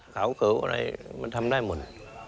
เขาอะไรมันทำได้หมด